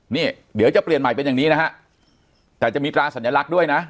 นี่เดี๋ยวจะเปลี่ยนใหม่เป็นอย่างนี้นะฮะแต่จะมีตราสัญลักษณ์ด้วยนะ